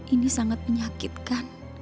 ini sangat menyakitkan